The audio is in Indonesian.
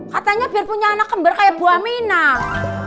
katanya biar punya anak kembar kayak bu aminah